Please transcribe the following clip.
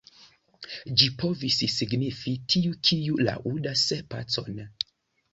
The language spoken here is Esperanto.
Ĝi povis signifi: "tiu, kiu laŭdas pacon".